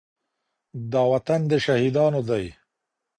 دا وطن د شهيدانو دی.